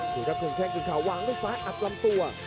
ถูกครับครึ่งแข่งครึ่งขาววางด้วยซ้ายอัดลำตัว